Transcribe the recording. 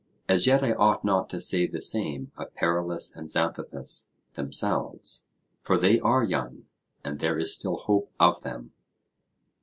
As yet I ought not to say the same of Paralus and Xanthippus themselves, for they are young and there is still hope of them.